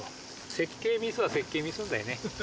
設計ミスは設計ミスなんだよね。